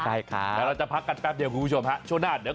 แล้วเราจะพักกันแป๊บเดียวคุณผู้ชมฮะ